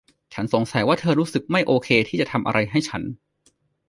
ฉันสงสัยว่าเธอรู้สึกไม่โอเคที่จะทำอะไรให้ฉัน